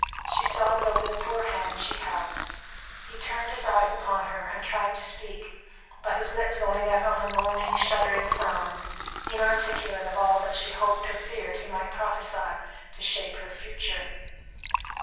She sobbed over the poor hand she held. He turned his eyes upon her and tried to speak, but his lips only let out a moaning, shuddering sound, inarticulate of all that she hoped or feared he might prophesy to shape her future.